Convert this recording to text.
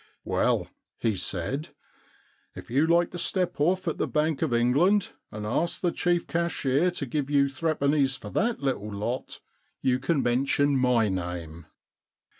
*" Well," he said, " if you like to step off at the Bank of England and ask the Chief Cashier to give you threepennies for that little lot, you can mention my name."